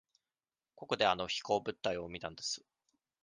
ここであの飛行物体を見たんです。